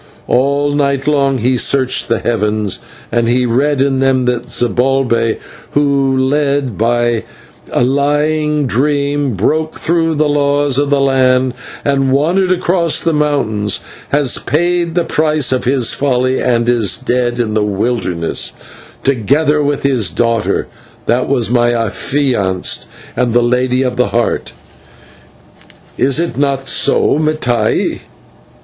All night long he searched the heavens, and he read in them that Zibalbay, who, led by a lying dream, broke the laws of the land and wandered across the mountains, has paid the price of his folly, and is dead in the wilderness, together with his daughter that was my affianced and the Lady of the Heart. Is it not so, Mattai?"